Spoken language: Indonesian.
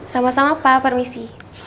sama sama pak permisi